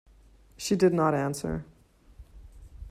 She did not answer.